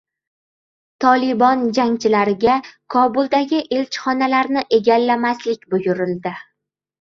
"Tolibon" jangchilariga Kobuldagi elchixonalarni egallamaslik buyurildi